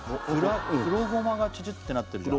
黒ゴマがチュチュってなってるじゃん